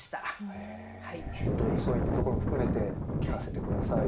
へえいろいろそういったところも含めて聞かせてください。